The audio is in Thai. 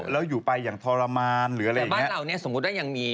แล้วอยู่ไปอย่างทรมานหรืออะไรอย่างนี้